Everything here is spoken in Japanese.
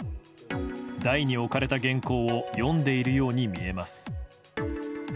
台に置かれた原稿を読んでいるように見えます。